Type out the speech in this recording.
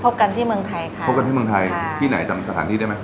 กันที่เมืองไทยค่ะพบกันที่เมืองไทยที่ไหนจำสถานที่ได้ไหม